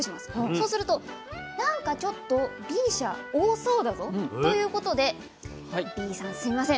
そうするとなんかちょっとＢ社多そうだぞということで「Ｂさんすいません。